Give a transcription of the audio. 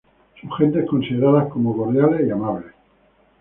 Sus gentes, consideradas como cordiales y amables.